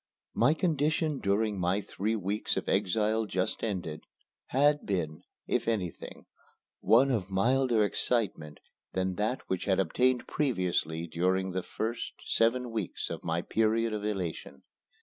My condition during my three weeks of exile just ended, had been, if anything, one of milder excitement than that which had obtained previously during the first seven weeks of my period of elation.